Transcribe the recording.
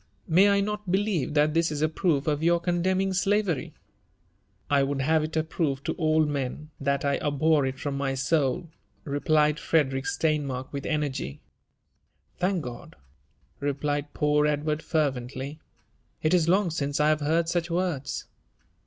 May I not believe that this is a proof of your condemning slavery ?"'' I would have it a proof to all men, that I abhor it from my soul," replied Frederick Steinmark with energy. *' Thank God I" replied poor Edward fervently. '' It is long since I have heard such words.